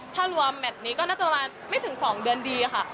ถ้ารวมแมทนี้ก็น่าจะประมาณไม่ถึง๒เดือนดีค่ะ